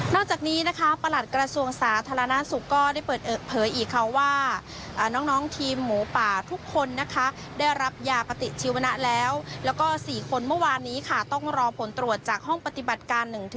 จากนี้นะคะประหลัดกระทรวงสาธารณสุขก็ได้เปิดเผยอีกค่ะว่าน้องทีมหมูป่าทุกคนนะคะได้รับยาปฏิชีวนะแล้วแล้วก็๔คนเมื่อวานนี้ค่ะต้องรอผลตรวจจากห้องปฏิบัติการ๑๕